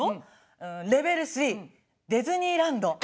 レベル３、デズニーランド。